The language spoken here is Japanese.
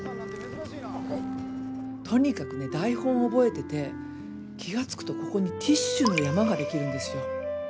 とにかくね台本覚えてて気が付くとここにティッシュの山ができるんですよ。